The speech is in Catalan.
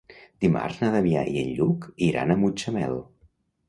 Dimarts na Damià i en Lluc iran a Mutxamel.